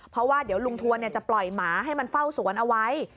เพราะว่าเดี๋ยวลุงทวนจะปล่อยหมาให้มันเฝ้าสวนเอาไว้